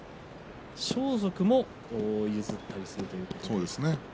装束も譲ったりするということです。